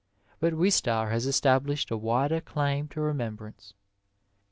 But Wistar has established a wider claim to remem brance.